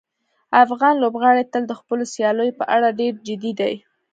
افغان لوبغاړي تل د خپلو سیالیو په اړه ډېر جدي دي.